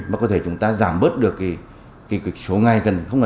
mà có thể chúng ta giảm bớt được cái số ngay